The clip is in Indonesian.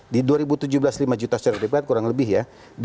di dua ribu tujuh belas lima juta sertifikat kurang lebih ya